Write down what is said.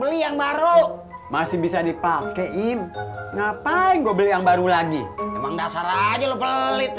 beli yang baru masih bisa dipakai im ngapain mobil yang baru lagi emang dasar aja lo pelit